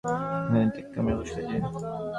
এখানে টেক্কা মেরে বসলে যে!